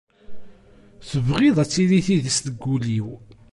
Tebɣiḍ ad tili tidet deg wul-iw.